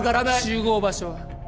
集合場所は？